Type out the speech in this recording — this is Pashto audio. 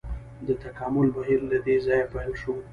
د تکامل بهیر له دې ځایه پیل شو.